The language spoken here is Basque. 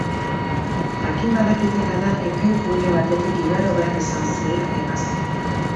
Jakin badakitena da ekaitz gune batetik igaro behar izan zuela hegazkinak.